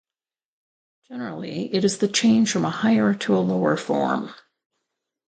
Generally, it is the change from a higher to a lower form.